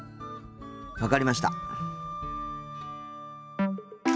分かりました。